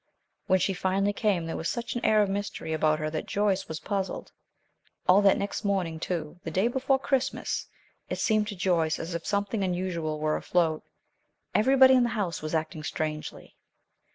When she finally came, there was such an air of mystery about her that Joyce was puzzled. All that next morning, too, the day before Christmas, it seemed to Joyce as if something unusual were afloat. Everybody in the house was acting strangely.